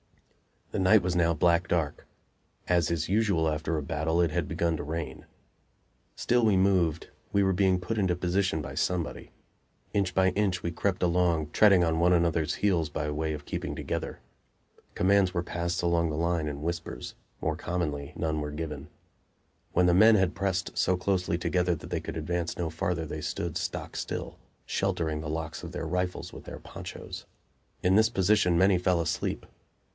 The night was now black dark; as is usual after a battle, it had begun to rain. Still we moved; we were being put into position by somebody. Inch by inch we crept along, treading on one another's heels by way of keeping together. Commands were passed along the line in whispers; more commonly none were given. When the men had pressed so closely together that they could advance no farther they stood stock still, sheltering the locks of their rifles with their ponchos. In this position many fell asleep.